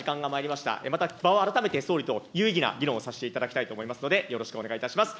また場を改めて総理と有意義な議論をさせていただきたいと思いますので、よろしくお願いいたします。